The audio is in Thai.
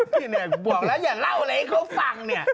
เพียงเนี่ยบอกละอย่าเล่าอะไรไอแคฟฟังเนี่ย